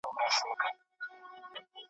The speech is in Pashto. تېرول چي مي کلونه هغه نه یم `